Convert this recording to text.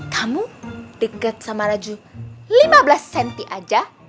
kamu deket sama raju lima belas cm aja